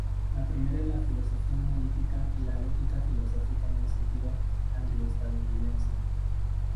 La primera es la filosofía analítica y la lógica filosófica en el sentido anglo-estadounidense.